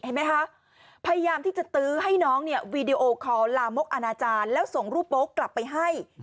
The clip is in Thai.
เห็นไหมคะพยายามที่จะตื้อให้น้องเนี่ยวีดีโอคอลลามกอนาจารย์แล้วส่งรูปโป๊กกลับไปให้